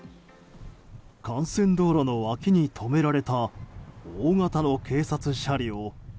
幹線道路の脇に止められた大型の警察車両。